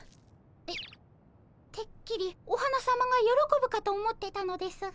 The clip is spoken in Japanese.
えってっきりお花さまがよろこぶかと思ってたのですが。